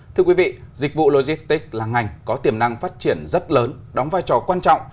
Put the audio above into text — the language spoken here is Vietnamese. thưa quý vị dịch vụ logistics là ngành có tiềm năng phát triển rất lớn đóng vai trò quan trọng